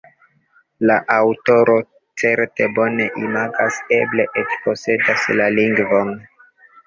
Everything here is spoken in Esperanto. La aŭtoro certe bone imagas, eble eĉ posedas la lingvon.